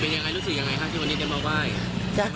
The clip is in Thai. เป็นอย่างไรรู้สึกอย่างไรคะที่วันนี้เจอมาว่าย